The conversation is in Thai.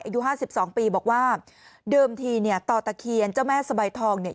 อายุห้าสิบสองปีบอกว่าเดิมทีเนี่ยต่อตะเคียนเจ้าแม่สบายทองเนี่ย